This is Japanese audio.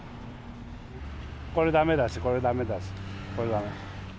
これだめだし、これだめだし、これだめ。